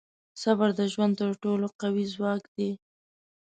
• صبر د ژوند تر ټولو قوي ځواک دی.